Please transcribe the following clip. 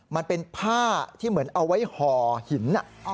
มันเป็นผ้าที่เหมือนเอาไว้ห่อหิน